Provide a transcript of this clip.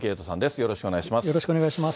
よろしくお願いします。